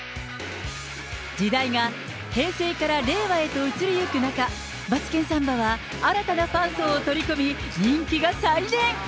時代が平成から令和へと移り行く中、マツケンサンバは新たなファン層を取り込み、人気が再燃。